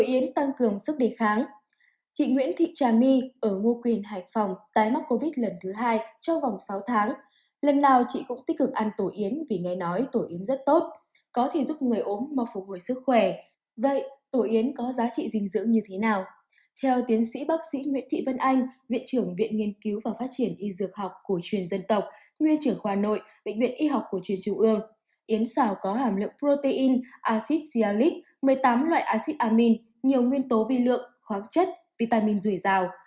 yến xào có hàm lượng protein acid xialic một mươi tám loại acid amine nhiều nguyên tố vi lượng khoác chất vitamin rủi rào